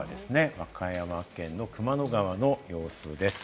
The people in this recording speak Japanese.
和歌山県の熊野川の様子です。